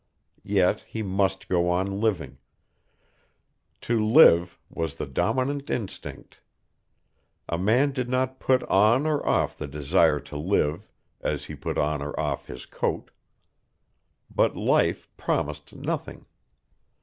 Yet he must go on living. To live was the dominant instinct. A man did not put on or off the desire to live as he put on or off his coat. But life promised nothing.